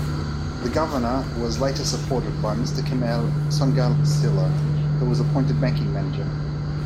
The Governor was later supported by Mr. Kemal Sogancilar, who was appointed Banking Manager.